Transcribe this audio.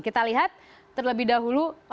kita lihat terlebih dahulu